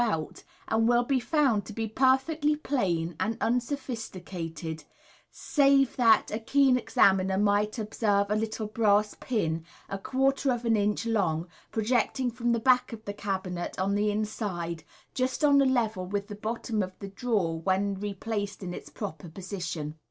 out, and will be found to be perfectly plain and unsophisticated ; save that a keen examiner might observe a little brass pin, a quarter of an inch long, projecting from the back of the cabinet on the inside, just on a level with the bottom of the drawer when replaced in its proper position.